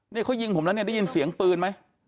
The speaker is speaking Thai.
นี่เขายิงผมแล้วเนี่ยได้ยินเสียงปืนไหม